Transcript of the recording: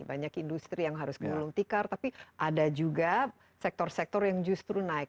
banyak industri yang harus gulung tikar tapi ada juga sektor sektor yang justru naik